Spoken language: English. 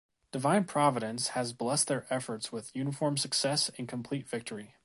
Divine Providence has blessed their efforts with uniform success and complete victory.